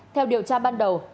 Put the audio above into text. theo điều tra ban đầu